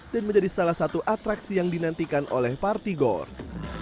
dan menjadi salah satu atraksi yang dinantikan oleh parti gors